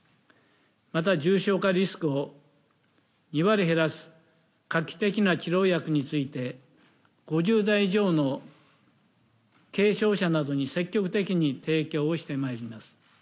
また重症化リスクを２割減らす画期的な治療薬について５０代以上の軽症者などに積極的に提供してまいります。